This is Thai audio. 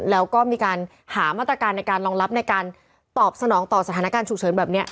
แล้วก็มีการหามาตรการในการรองรับในการตอบสนองต่อสถานการณ์ฉุกเฉินแบบนี้